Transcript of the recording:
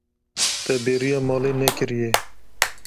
Te bêriya malê nekiriye.